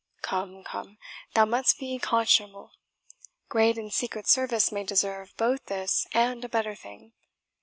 Come, come, thou must be conscionable; great and secret service may deserve both this and a better thing.